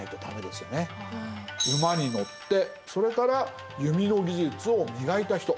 馬に乗ってそれから弓の技術を磨いた人